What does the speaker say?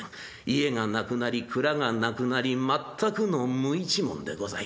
家がなくなり蔵がなくなり全くの無一文でございます。